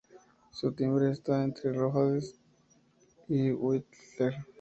Su timbre está entre el Rhodes y Wurlitzer.